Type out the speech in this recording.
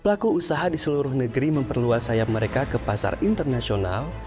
pelaku usaha di seluruh negeri memperluas sayap mereka ke pasar internasional